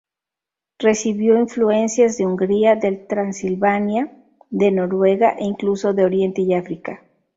Recibió influencias de Hungría, del Transilvania, de Noruega e incluso de Oriente y África.